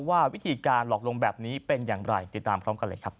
ว่าวิธีการหลอกลงแบบนี้เป็นอย่างไรติดตามพร้อมกันเลยครับ